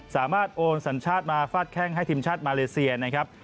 โอนสัญชาติมาฟาดแข้งให้ทีมชาติมาเลเซียนะครับ